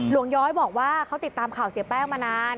ย้อยบอกว่าเขาติดตามข่าวเสียแป้งมานาน